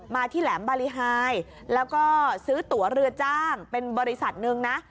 ที่แหลมบารีไฮแล้วก็ซื้อตัวเรือจ้างเป็นบริษัทหนึ่งนะ